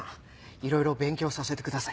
いろいろ勉強させてください。